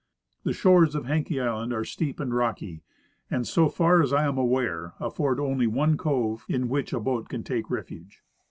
The shores of Haenke island are steej^a nd rocky, and, so far as I am aware, afford only one cove in which a boat can take refuge.